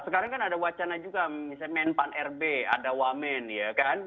sekarang kan ada wacana juga misalnya men pan r b ada wamen ya kan